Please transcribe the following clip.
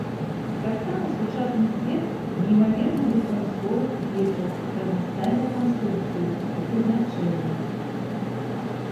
Таксама сучасны свет неймаверны без прамысловых печаў разнастайнай канструкцыі і прызначэння.